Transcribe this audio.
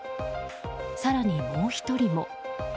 更に、もう１人も。